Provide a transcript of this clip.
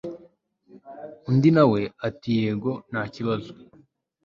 undi nawe ati yego ntakibazo